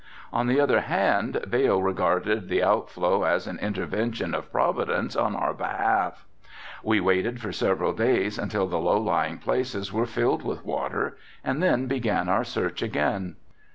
On the other hand Vail regarded the outflow as an intervention of providence on our behalf. We waited for several days until the low lying places were filled with water and then began our search again.